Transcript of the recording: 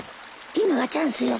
今がチャンスよ。